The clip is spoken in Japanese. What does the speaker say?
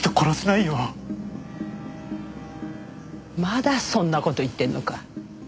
まだそんな事言ってんのか？